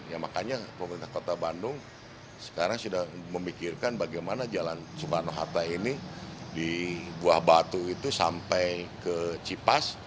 ya makanya pemerintah kota bandung sekarang sudah memikirkan bagaimana jalan soekarno hatta ini di buah batu itu sampai ke cipas